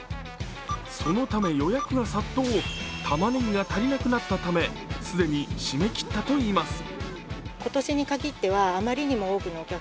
そのため予約が殺到、たまねぎが足りなくなったため既に締め切ったといいます。